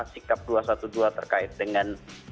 sikap dua ratus dua belas terkait dengan